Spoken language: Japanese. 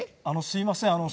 あのすいません。